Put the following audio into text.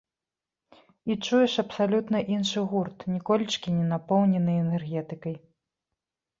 І чуеш абсалютна іншы гурт, ніколечкі не напоўнены энергетыкай.